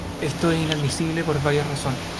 Esto es inadmisible por varias razones.